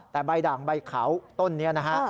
แต่ใบด่างใบขาวต้นนี้นะฮะ